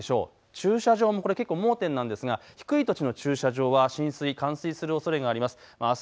駐車場も盲点なんですが低い土地の駐車場は浸水、冠水するおそれがあります。